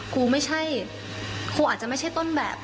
ครูไม่ใช่ครูอาจจะไม่ใช่ต้นแบบ